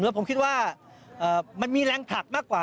ผมคิดว่ามันมีแรงผลักมากกว่า